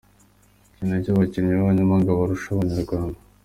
Iki nicyo abakinnyi b’abanyamahanga barusha Abanyarwanda.